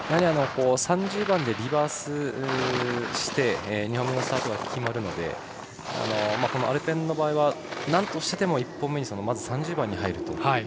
３０番でリバースして２本目のスタートが決まるのでアルペンの場合はなんとしてでも１本目で３０番に入ると。